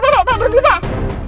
apa apa apa berhenti pak